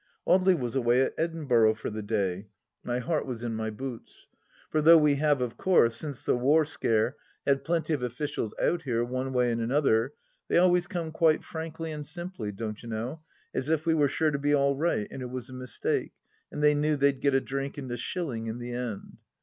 Audely was away at Edinburgh for the day 1 My heart THE LAST DITCH 105 was in my boots I For though we have of course, since the war scare, had plenty of officials out here, one way and another, they always come quite frankly and simply, don't you know, as if we were sure to be all right and it wr.s a mistake, and they knew they'd get a drink and a shilling in the end.